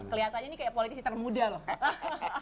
kelihatannya ini kayak politisi termuda loh